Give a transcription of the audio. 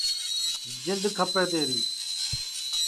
جِند کھپے تیری